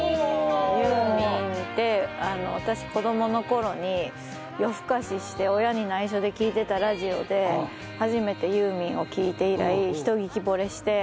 ユーミンって私子供の頃に夜更かしして親に内緒で聞いてたラジオで初めてユーミンを聴いて以来ひと聴き惚れして。